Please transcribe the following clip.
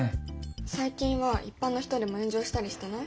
最近は一般の人でも炎上したりしてない？